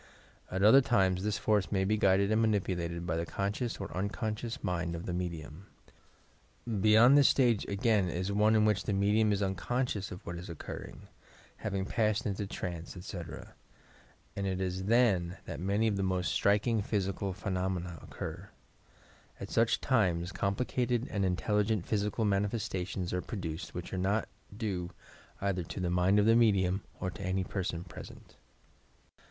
At other times this force may be guided and manipulated by the conscious or unconscious mind of the medium. Beyond this stage, again, is one in which the medium is unconscious of what is occurring, YOUR PSYCHIC POWERS — having passed into trance, etc., aud it is then that many o£ the moat striking physical phenomena occur. At sueh times complicated and intelligent physical mani festations are produced which are not due either to the mind of the medium or to any person present.